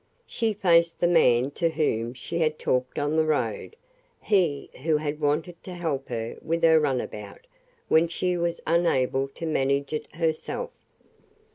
She faced the man to whom she had talked on the road, he who had wanted to help her with her runabout when she was unable to manage it herself.